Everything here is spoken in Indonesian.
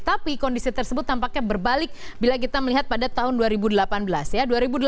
tapi kondisi tersebut tampaknya berbalik bila kita melihat pada tahun dua ribu delapan belas ya